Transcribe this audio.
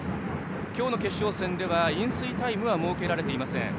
今日の決勝戦では飲水タイムは設けられていません。